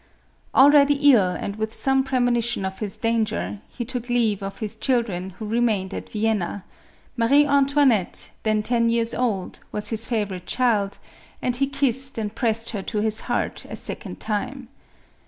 Already ill, and with some premoni tion of his danger, he took leave of his children who remained at Vienna ; Marie Antoinette, then ten years old, was his favorite child, and he kissed and pressed her to his heart a second time.